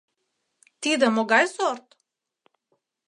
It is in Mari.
— Тиде могай сорт?